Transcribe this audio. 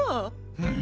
うん。